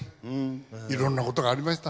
いろんなことがありました。